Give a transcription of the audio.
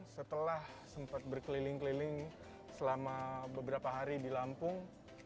setelah sempat berkeliling keliling selama beberapa hari di lampung